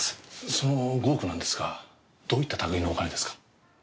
その５億なんですがどういった類のお金ですか？